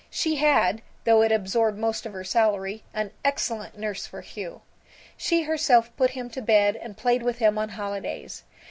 She had, though it absorbed most of her salary, an excellent nurse for Hugh. She herself put him to bed and played with him on holidays.